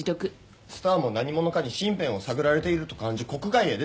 スタアも何者かに身辺を探られていると感じ国外へ出た。